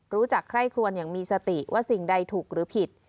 ใคร่ครวนอย่างมีสติว่าสิ่งใดถูกหรือผิด